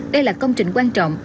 đây là công trình quan trọng